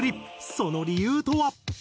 その理由とは？